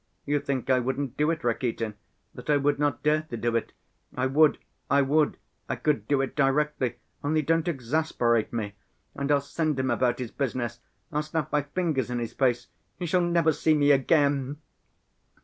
You think I wouldn't do it, Rakitin, that I would not dare to do it? I would, I would, I could do it directly, only don't exasperate me ... and I'll send him about his business, I'll snap my fingers in his face, he shall never see me again!"